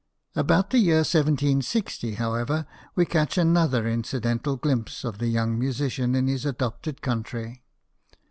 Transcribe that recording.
About the year 1760, however, we catch another incidental glimpse of the young mu sician in his adopted country.